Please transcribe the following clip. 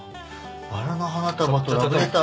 「バラの花束とラブレターを」